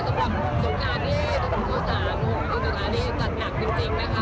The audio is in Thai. สำหรับสุดงานที่ท้ายงานโทรศาสตร์โถจิโจทันทราที่จัดหนักจริงนะคะ